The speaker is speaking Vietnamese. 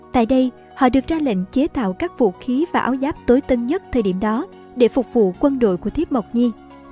tại đây họ được ra lệnh chế tạo các vũ khí và áo giáp tối tân nhất thời điểm đó để phục vụ quân đội của thiếp mộc nhi